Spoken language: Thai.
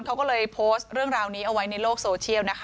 เขาก็เลยโพสต์เรื่องราวนี้เอาไว้ในโลกโซเชียลนะคะ